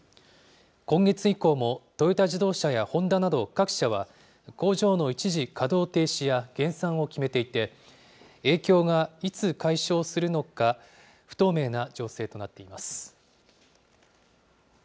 今月以降も、トヨタ自動車やホンダなど各社は、工場の一時稼働停止や減産を決めていて、影響がいつ解消するのか、不透明な情勢となっています。